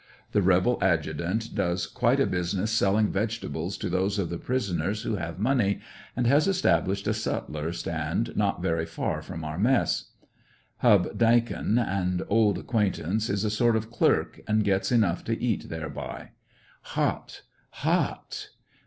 The rebel adjutant does quite a business selling vegetables to those of the prisoners who have mon ey, and has established a sutler stand not very far from our mess. HubDakin, an old acquaintance, is a sort of clerk, and gets enough to eat thereby. Hot! Hot!